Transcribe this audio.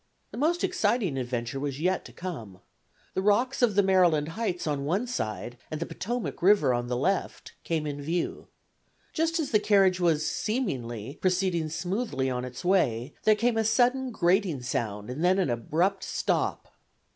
The most exciting adventure was yet to come. The rocks of the Maryland Heights on one side, and the Potomac River on the left, came in view. Just as the carriage was, seemingly, proceeding smoothly on its way there came a sudden grating sound and then an abrupt stop.